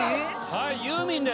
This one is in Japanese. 「はいユーミンです」